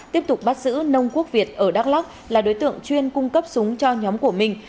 tiếp tục bắt giữ nông quốc việt ở đắk lắc là đối tượng chuyên cung cấp súng cho nhóm của mình